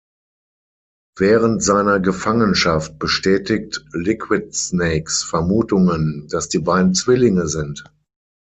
Während seiner Gefangenschaft bestätigt Liquid Snakes Vermutungen, dass die beiden Zwillinge sind.